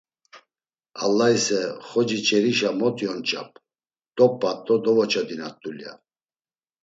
Allayse, xoci ç̌erişa mot yonç̌ap. Dop̌at do dovoçodinat dulya!